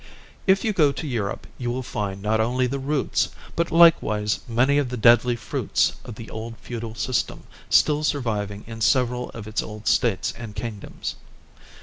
If you go to Europe you will find not only the roots, but likewise many of the deadly fruits of the old Feudal system still surviving in several of its old states and kingdoms.